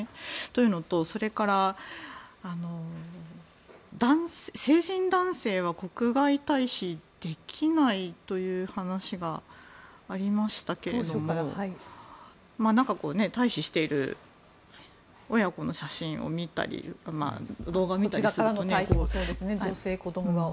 というのとそれから成人男性は国外退避できないという話がありましたけれども退避している親子の写真を見たり動画を見たりすると。